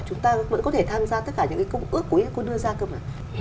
chúng ta vẫn có thể tham gia